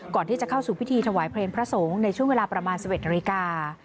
ก่อนที่จะเข้าสู่พิธีถวายเพลงพระสงฆ์ในช่วงเวลาประมาณ๑๑นาฬิกา